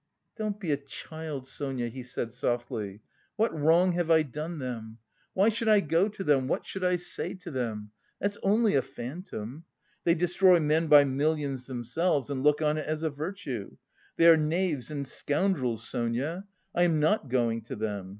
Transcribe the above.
"Don't be a child, Sonia," he said softly. "What wrong have I done them? Why should I go to them? What should I say to them? That's only a phantom.... They destroy men by millions themselves and look on it as a virtue. They are knaves and scoundrels, Sonia! I am not going to them.